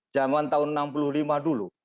zaman tahun enam puluh lima dulu